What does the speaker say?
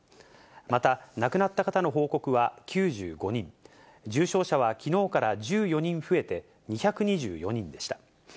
また亡くなった方の報告は９５人、重症者はきのうから１４人増えて２２４人でした。